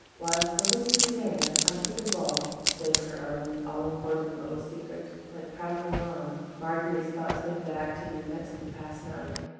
Whilst little Suzanne—unconscious of all—save her own all important little secret, went prattling on, Marguerite's thoughts went back to the events of the past night.